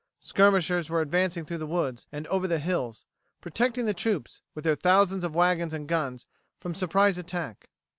Skirmishers were advancing through the woods and over the hills, protecting the troops, with their thousands of wagons and guns, from surprise attack.